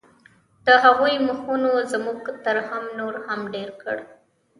د هغوی مخونو زموږ ترحم نور هم ډېر کړ